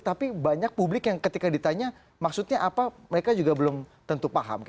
tapi banyak publik yang ketika ditanya maksudnya apa mereka juga belum tentu paham